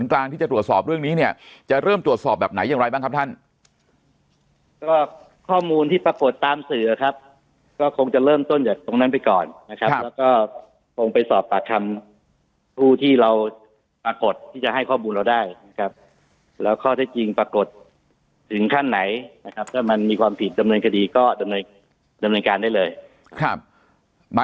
ปรากฏที่จะให้ข้อมูลเราได้ครับแล้วข้อได้จริงปรากฏถึงขั้นไหนนะครับถ้ามันมีความผิดดำเนินคดีก็ดำเนินการได้เลยครับ